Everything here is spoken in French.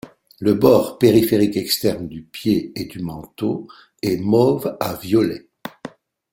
Le bord périphérique externe du pied et du manteau est mauve à violet.